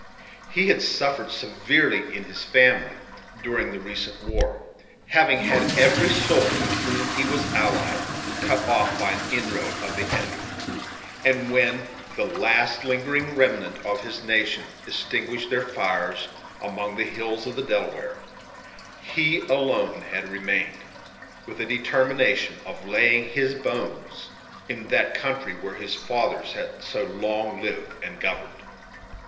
He had suffered severely in his family during the recent war, having had every soul to whom he was allied cut off by an inroad of the enemy; and when the last lingering remnant of his nation extinguished their fires, among the hills of the Delaware, he alone had remained, with a determination of laying his hones in that country where his fathers had so long lived and governed.